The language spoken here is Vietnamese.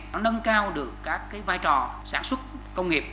nó nâng cao được các cái vai trò sản xuất công nghiệp